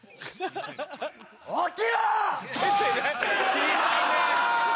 小さいね。